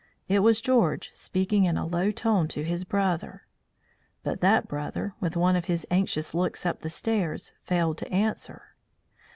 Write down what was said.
It was George speaking in a low tone to his brother. But that brother, with one of his anxious looks up the stairs, failed to answer.